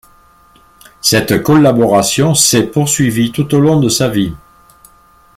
Cette collaboration s'est poursuivie tout au long de sa vie.